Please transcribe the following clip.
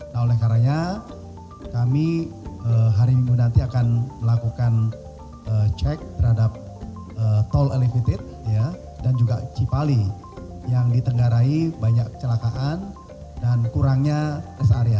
nah oleh karanya kami hari minggu nanti akan melakukan cek terhadap tol elevated dan juga cipali yang ditenggarai banyak kecelakaan dan kurangnya rest area